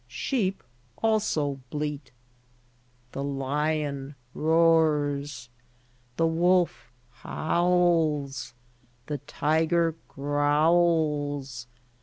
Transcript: Sheep al so bleat. The li on roars. The wolf howls. The ti ger growls.